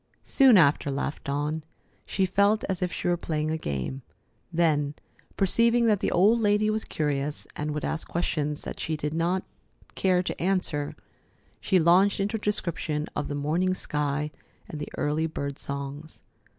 "Soon after," laughed Dawn. She felt as if she were playing a game. Then, perceiving that the old lady was curious and would ask questions that she did not care to answer, she launched into a description of the morning sky and the early bird songs.